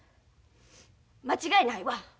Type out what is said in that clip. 間違いないわ。